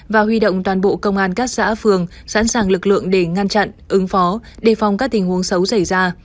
và huy động toàn bộ công an các xã phường sẵn sàng lực lượng để ngăn chặn ứng phó đề phòng các tình huống xấu xảy ra